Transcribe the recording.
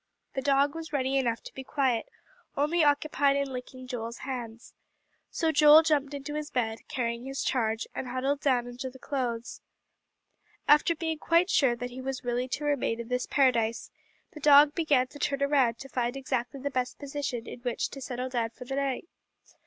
The dog was ready enough to be quiet, only occupied in licking Joel's hands. So Joel jumped into his bed, carrying his charge, and huddled down under the clothes. After being quite sure that he was really to remain in this paradise, the dog began to turn around and around to find exactly the best position in which to settle down for the night.